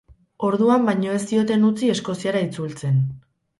Orduan baino ez zioten utzi Eskoziara itzultzen.